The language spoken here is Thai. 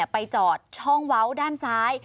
ไปจอดช่องเว้าด้านซ้าย